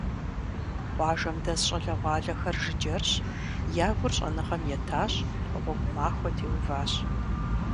Къуажэм дэс щӀалэгъуалэхэр жыджэрщ, я гур щӀэныгъэм етащ, гъуэгу махуэ теуващ.